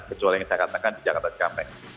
seperti yang saya katakan di jakarta sikapeng